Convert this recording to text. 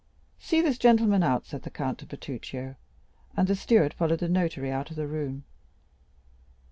"See this gentleman out," said the count to Bertuccio. And the steward followed the notary out of the room.